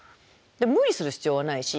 無理する必要はないし。